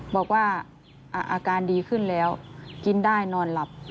บอกว่าอาการดีขึ้นแล้วกินได้นอนหลับ